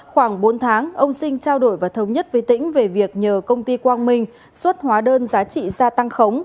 khoảng bốn tháng ông sinh trao đổi và thống nhất với tỉnh về việc nhờ công ty quang minh xuất hóa đơn giá trị gia tăng khống